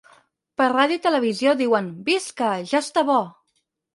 Per ràdio i televisió diuen Visca! ja està bo!